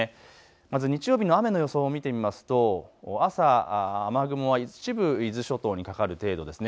まず日曜日の雨の予想を見てみますと朝は雨雲は一部伊豆諸島にかかる程度ですね。